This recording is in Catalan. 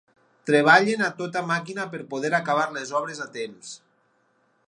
Treballen a tota màquina per poder acabar les obres a temps.